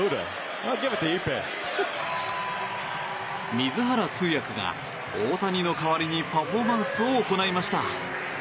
水原通訳が大谷の代わりにパフォーマンスを行いました。